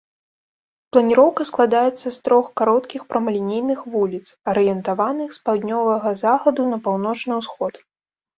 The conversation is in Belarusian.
Планіроўка складаецца з трох кароткіх прамалінейных вуліц, арыентаваных з паўднёвага захаду на паўночны ўсход.